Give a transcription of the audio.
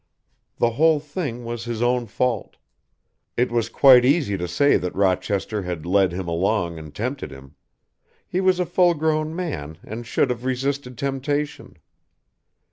The whole thing was his own fault. It was quite easy to say that Rochester had led him along and tempted him; he was a full grown man and should have resisted temptation.